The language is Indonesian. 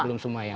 belum semua ya